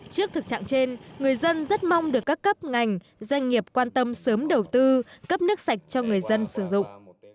trước thực trạng trên người dân rất mong được các cấp ngành doanh nghiệp quan tâm sớm đầu tư cấp nước sạch cho người dân sử dụng